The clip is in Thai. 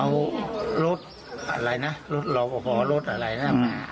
เอารถอะไรนะรถรอปภรถอะไรนะ